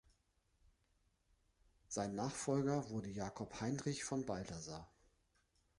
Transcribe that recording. Sein Nachfolger wurde Jakob Heinrich von Balthasar.